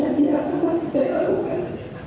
dan tidak apa apa yang saya lakukan